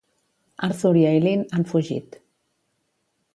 Arthur i Eileen han fugit.